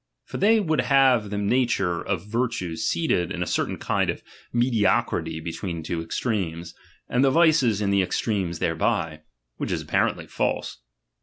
For they would have the na ture of virtues seated in a certain kind of medio crity between two extremes, and the vices in the extremes themselves; which is apparently false.